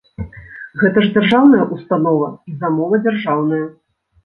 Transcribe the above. Гэта ж дзяржаўная ўстанова і замова дзяржаўная.